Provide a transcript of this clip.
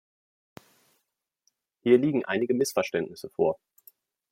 Hier liegen einige Missverständnisse vor.